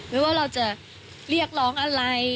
ไม่ว่าเราจะเรียกร้องอะไร